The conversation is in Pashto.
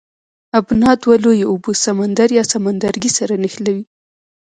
ابنا دوه لویې اوبه سمندر یا سمندرګی سره نښلوي.